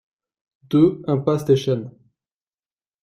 deux iMPASSE DES CHENES